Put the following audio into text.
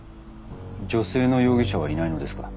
女性の容疑者はいないのですか？